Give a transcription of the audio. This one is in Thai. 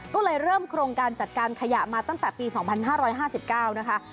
ก็เลยเริ่มโครงการจัดการขยะมาตั้งแต่ปี๒๕๕๙นะคะ